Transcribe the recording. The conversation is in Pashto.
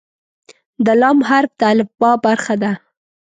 د "ل" حرف د الفبا برخه ده.